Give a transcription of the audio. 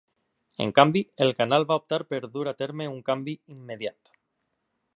En canvi, el canal va optar per dur a terme un canvi immediat.